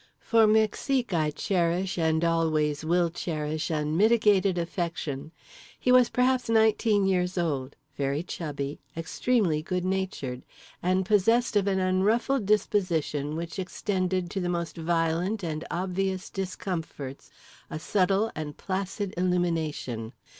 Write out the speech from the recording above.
For Mexique I cherish and always will cherish unmitigated affection. He was perhaps nineteen years old, very chubby, extremely good natured; and possessed of an unruffled disposition which extended to the most violent and obvious discomforts a subtle and placid illumination.